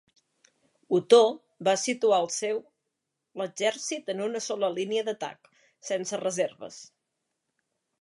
Otó va situar el seu l'exèrcit en una sola línia d'atac, sense reserves.